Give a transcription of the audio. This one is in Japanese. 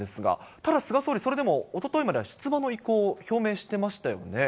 ただ菅総理、おとといまでは出馬の意向を表明してましたよね。